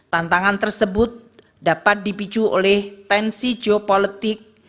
tantangan tersebut dapat dipicu oleh tensi geopolitik